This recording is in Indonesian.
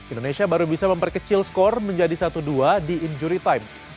indonesia baru bisa memperkecil skor menjadi satu dua di injury time